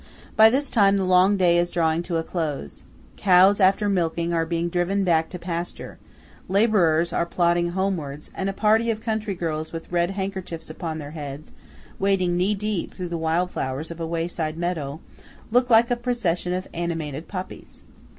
By this time the long day is drawing to a close. Cows after milking are being driven back to pasture; labourers are plodding homewards; and a party of country girls with red handkerchiefs upon their heads, wading knee deep through the wild flowers of a wayside meadow, look like a procession of animated poppies.